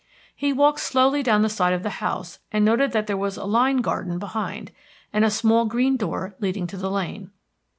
He walked slowly down the side of the house, and noted that there was a line garden behind, and a small green door leading to the lane.